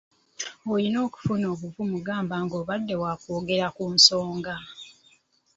Olina okufuna obuvumu gamba ng'obadde wa kwogera ku nsonga.